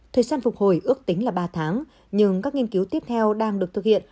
thời gian phục hồi ước tính là ba tháng nhưng các nghiên cứu tiếp theo đang được thực hiện